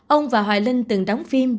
ông và hoài linh từng đóng phim